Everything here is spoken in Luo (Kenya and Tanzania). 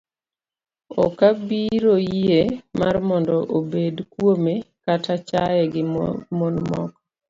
Ok obiro yie mar mondo obed kuome kata chaye gi mon moko.